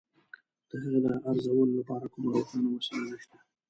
د هغې د ارزولو لپاره کومه روښانه وسیله نشته.